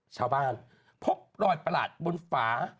ชาวบ้านพกรอยประหลาดบนฝา